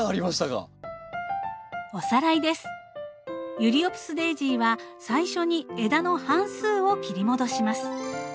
ユリオプスデージーは最初に枝の半数を切り戻します。